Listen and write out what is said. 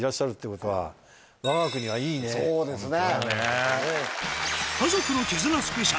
そうですね。